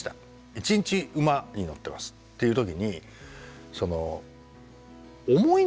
一日馬に乗ってますっていう時に重いんですよ